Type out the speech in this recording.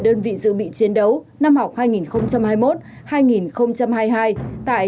đơn vị giữ bị chiến đấu năm học hai nghìn hai mươi một hai nghìn hai mươi hai tại trường đại học an ninh nhân dân